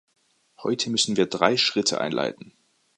Heute müssen wir drei Schritte einleiten.